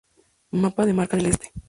Mapa de la Marca del Este